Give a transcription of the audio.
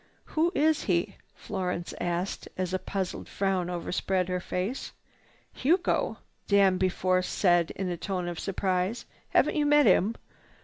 "Who is he?" Florence asked as a puzzled frown overspread her face. "Hugo?" Danby Force said in a tone of surprise. "Haven't you met him?